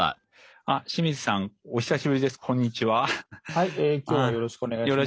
はい今日はよろしくお願いします。